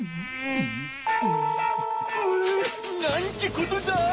うん！なんてことだ！